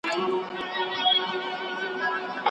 عُمر ټول انتظار وخوړ له ځوانیه تر پیریه